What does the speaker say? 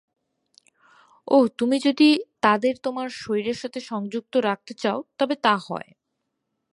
ওহ, তুমি যদি তাদের তোমার শরীরের সাথে সংযুক্ত রাখতে চাও তবে তা হয়।